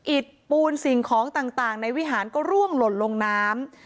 อิดปูนสิ่งของต่างในวิหารก็ร่วงหล่นลงน้ำ